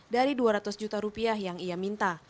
dari rp dua ratus juta yang ia minta